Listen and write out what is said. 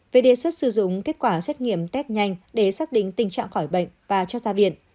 về đề xuất sử dụng kết quả xét nghiệm test nhanh để xác định tình trạng khỏi bệnh và cho ra viện